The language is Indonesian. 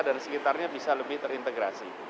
dan sekitarnya bisa lebih terintegrasi